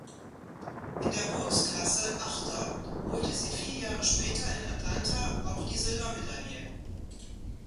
In der Bootsklasse Achter holte sie vier Jahre später in Atlanta auch die Silbermedaille.